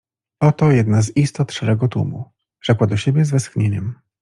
— Oto jedna z istot szarego tłumu — rzekła do siebie z westchnieniem.